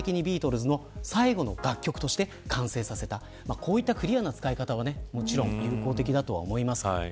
こういったクリアな使い方はもちろん有効的だと思います。